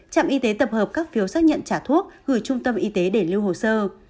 trạm y tế tập hợp các phiếu xác nhận trả thuốc gửi trung tâm y tế để lưu hồ sơ